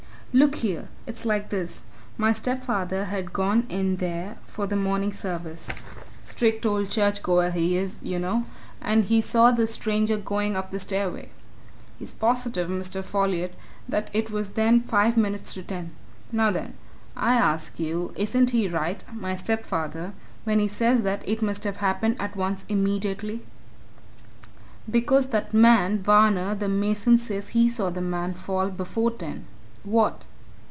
Look here! it's like this. My stepfather had gone in there for the morning service strict old church goer he is, you know and he saw this stranger going up the stairway. He's positive, Mr. Folliot, that it was then five minutes to ten. Now, then, I ask you isn't he right, my stepfather, when he says that it must have happened at once immediately? "Because that man, Varner, the mason, says he saw the man fall before ten. What?"